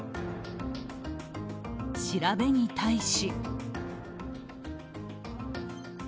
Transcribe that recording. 調べに対し。